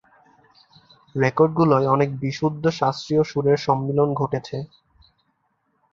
রেকর্ডগুলোয় অনেক বিশুদ্ধ শাস্ত্রীয় সুরের সম্মিলন ঘটেছে।